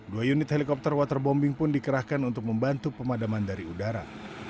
dua unit helikopter waterbombing pun dikerahkan untuk membantu pemadaman dari udara